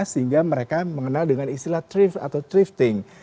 sehingga mereka mengenal dengan istilah trift atau thrifting